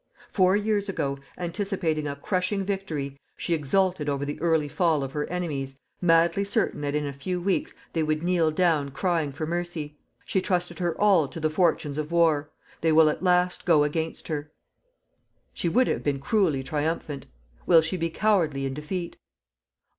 Four years ago, anticipating a crushing victory, she exulted over the early fall of her enemies, madly certain that in a few weeks they would kneel down crying for mercy. She trusted her all to the fortunes of war. They will at last go against her. She would have been cruelly triumphant. Will she be cowardly in defeat?